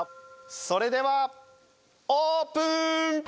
それではオープン！